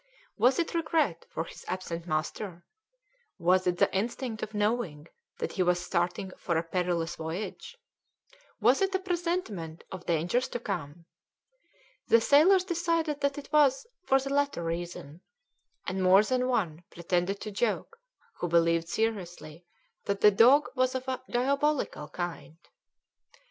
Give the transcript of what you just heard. Was it regret for his absent master? Was it the instinct of knowing that he was starting for a perilous voyage? Was it a presentiment of dangers to come? The sailors decided that it was for the latter reason, and more than one pretended to joke who believed seriously that the dog was of a diabolical kind.